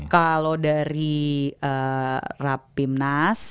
kalau dari rap pimnas